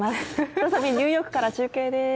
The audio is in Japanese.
再びニューヨークから中継です。